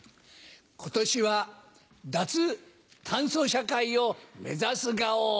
今年は脱炭素社会を目指すガオ。